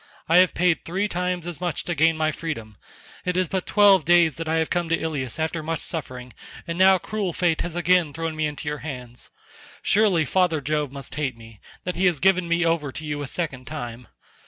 I have paid three times as much to gain my freedom; it is but twelve days that I have come to Ilius after much suffering, and now cruel fate has again thrown me into your hands. Surely father Jove must hate me, that he has given me over to you a second time.